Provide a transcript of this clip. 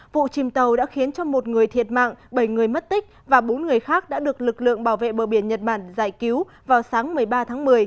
vụ chìm tàu đã khiến cho một người thiệt mạng bảy người mất tích và bốn người khác đã được lực lượng bảo vệ bờ biển nhật bản giải cứu vào sáng một mươi ba tháng một mươi